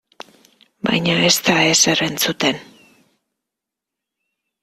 Baina ez da ezer entzuten.